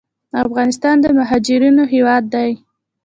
افغانستان د مهاجرینو هیواد دی